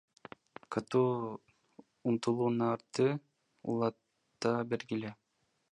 Катуу умтулууңарды уланта бергиле!